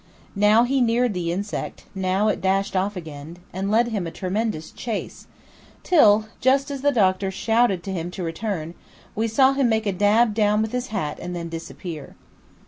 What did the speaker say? Now he neared the insect; now it dashed off again, and led him a tremendous chase, till, just as the doctor shouted to him to return, we saw him make a dab down with his hat and then disappear.